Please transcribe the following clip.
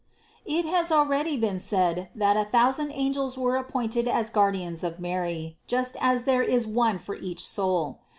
It has already been said that a thousand angels were appointed as guardians of Mary, just as there is one for each soul.